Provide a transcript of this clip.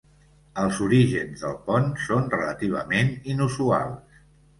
Els orígens del pont són relativament inusuals.